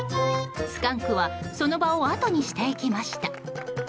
スカンクはその場をあとにしていきました。